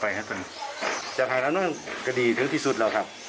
ถ้าไหลแล้วเน่าอย่างกดีถึงที่สุดเราครับ